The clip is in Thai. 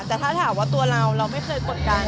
แต่ถ้าถามว่าตัวเราเราไม่เคยกดดัน